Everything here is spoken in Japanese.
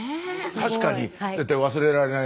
確かに絶対忘れられない。